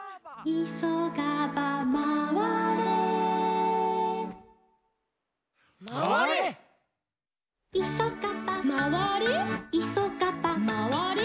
「いそがば」「まわれ？」